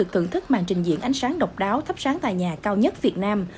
thưởng thức màn trình diễn ánh sáng độc đáo thắp sáng tại nhà cao nhất việt nam